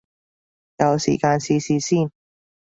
有時間試試先